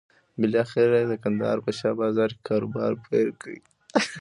بالاخره یې د کندهار په شا بازار کې کاروبار پيل کړ.